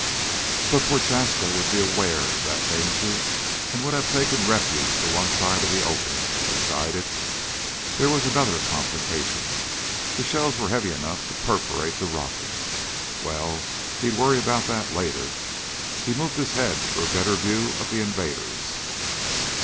But Prochaska would be aware of that danger and would have taken refuge to one side of the opening, he decided. There was another complication. The shells were heavy enough to perforate the rocket. Well, he'd worry about that later. He moved his head for a better view of the invaders.